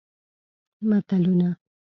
متلونه